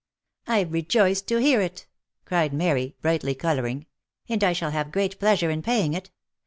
" I rejoice to hear it," cried Mary, brightly colouring ;" and I shall have great pleasure in paying it.